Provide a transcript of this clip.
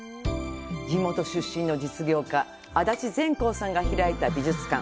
地元出身の実業家足立全康さんが開いた美術館。